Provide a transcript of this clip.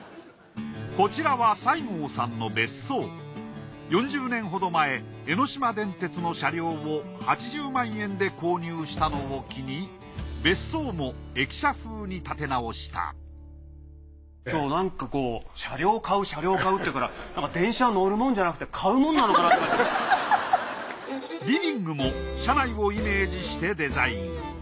こちらは４０年ほど前江ノ島電鉄の車両を８０万円で購入したのを機に別荘も駅舎風に建て直した今日なんかこう車両買う車両買うって言うからリビングも車内をイメージしてデザイン。